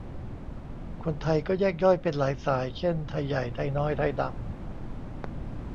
คนไทย ก็แยกย่อยเป็นหลายสาย เช่นไทยใหญ่ ไทยน้อย ไทยดำ